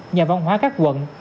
nhà văn hóa các quận